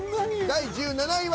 第１７位は。